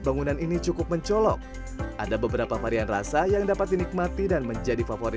bangunan ini cukup mencolok ada beberapa varian rasa yang dapat dinikmati dan menjadi favorit